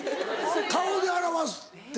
顔で表すって。